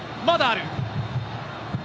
まだある。